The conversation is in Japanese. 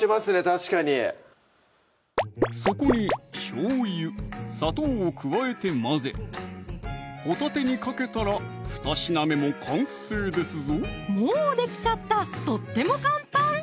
確かにそこにしょうゆ・砂糖を加えて混ぜほたてにかけたらふた品目も完成ですぞもうできちゃったとっても簡単！